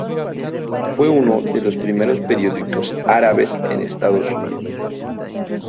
Fue unos de los primeros periódicos árabes en Estados Unidos.